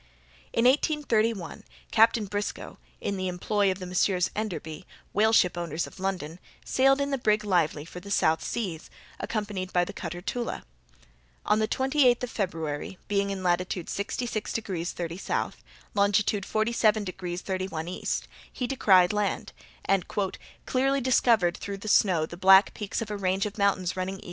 In 1831, Captain Briscoe, in the employ of the Messieurs Enderby, whale ship owners of London, sailed in the brig Lively for the South Seas, accompanied by the cutter Tula. On the twenty eighth of February, being in latitude 66 degrees 30' S., longitude 47 degrees 31' E., he descried land, and "clearly discovered through the snow the black peaks of a range of mountains running E.